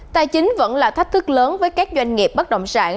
tài chính vẫn là thách thức lớn với các doanh nghiệp bất động sản